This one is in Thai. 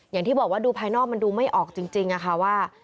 อย่างที่บอกว่าดูภายนอกมันดูไม่ออกจริงค่ะว่า